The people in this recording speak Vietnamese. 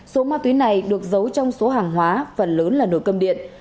số ma túy này được giấu trong số hàng hóa phần lớn là nồi cơm điện